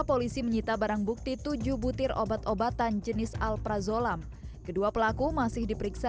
polisi menyita barang bukti tujuh butir obat obatan jenis alprazolam kedua pelaku masih diperiksa